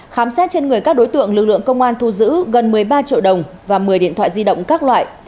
khám xét trên người các đối tượng lực lượng công an thu giữ gần một mươi ba triệu đồng và một mươi điện thoại di động các loại